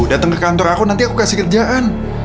datang ke kantor aku nanti aku kasih kerjaan